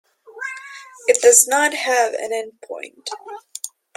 It does not have an end point.